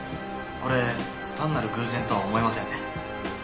これ単なる偶然とは思えませんね。